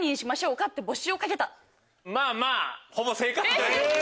まぁまぁほぼ正解という。